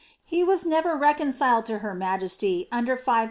He was never reconciled lo her majesty under 50001.